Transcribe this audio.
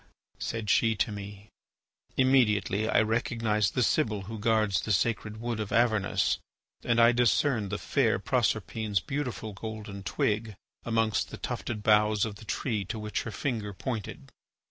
said she to me. Immediately I recognised the Sibyl who guards the sacred wood of Avernus, and I discerned the fair Proserpine's beautiful golden twig amongst the tufted boughs of the tree to which her finger pointed.